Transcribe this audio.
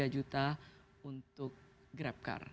tiga juta untuk grab car